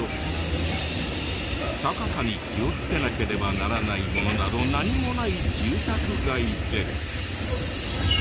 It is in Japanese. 高さに気をつけなければならないものなど何もない住宅街で。